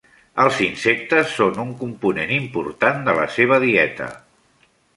Els insectes són un component important de la seva dieta.